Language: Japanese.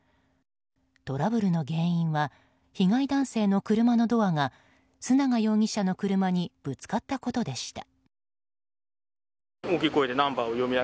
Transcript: トラブルの原因は被害男性の車のドアが須永容疑者の車にぶつかったことでした。